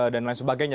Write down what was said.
dan lain sebagainya